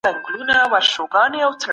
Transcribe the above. ښکلي ليکدودونه ډيزاين کړئ.